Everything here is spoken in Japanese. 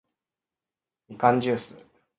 みかんじゅーす